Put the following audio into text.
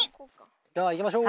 では行きましょう！